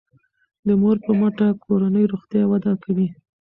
د مور په مټه کورنی روغتیا وده کوي.